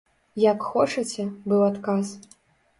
Як хочаце, быў адказ.